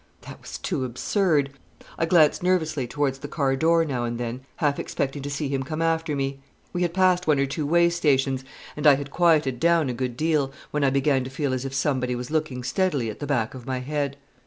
That was too absurd. I glanced nervously towards the car door now and then, half expecting to see him come after me. We had passed one or two way stations, and I had quieted down a good deal, when I began to feel as if somebody was looking steadily at the back of my head.